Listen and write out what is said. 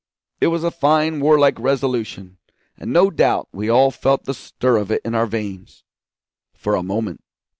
It was a fine warlike resolution, and no doubt we all felt the stir of it in our veins for a moment.